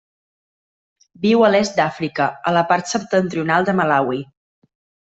Viu a l'est d'Àfrica, a la part septentrional de Malawi.